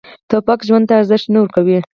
توپک ژوند ته ارزښت نه ورکوي.